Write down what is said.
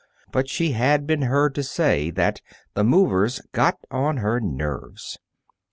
But she had been heard to say that the Movers got on her nerves.